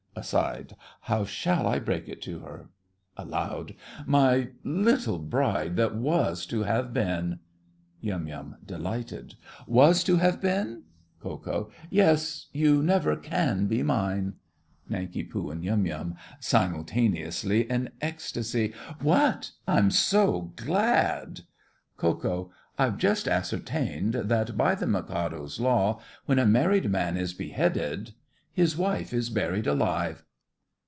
(Aside.) How shall I break it to her? (Aloud.) My little bride that was to have been? YUM. (delighted). Was to have been? KO. Yes, you never can be mine! NANK. and YUM. (simultaneously, in ecstacy) What!/I'm so glad! KO. I've just ascertained that, by the Mikado's law, when a married man is beheaded his wife is buried alive.